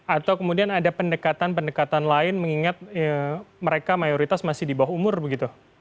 atau kemudian ada pendekatan pendekatan lain mengingat mereka mayoritas masih di bawah umur begitu